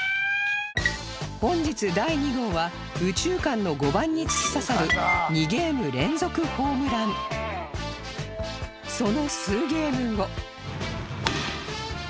本日第２号は右中間の５番に突き刺さる２ゲーム連続ホームランよーし！